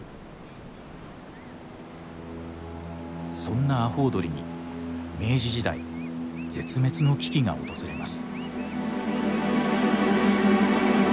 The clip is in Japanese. そんなアホウドリに明治時代絶滅の危機が訪れます。